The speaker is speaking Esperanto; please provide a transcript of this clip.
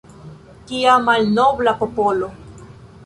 Kia malnobla popolo.